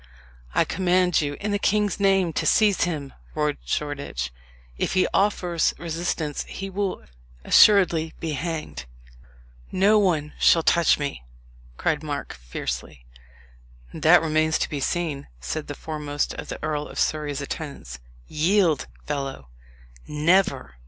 "I command you, in the king's name, to seize him!" roared Shoreditch. "If he offers resistance he will assuredly be hanged." "No one shall touch me!" cried Mark fiercely. "That remains to be seen," said the foremost of the Earl of Surrey's attendants. "Yield, fellow!" "Never!"